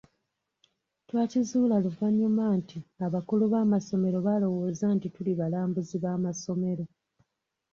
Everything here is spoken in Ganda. Twakizuula oluvannyuma nti abakulu b’amasomero baalowooza nti tuli balambuzi b’amasomero.